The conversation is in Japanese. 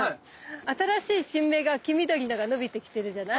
新しい新芽が黄緑のが伸びてきてるじゃない？